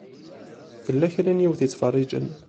Tella kra n yiwet i yettfeṛṛiǧen.